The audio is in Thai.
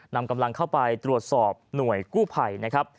นำกำลังเข้าไปตรวจสอบหน่วยกู้ภัยนะครับ